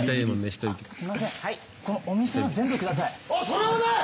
それはない！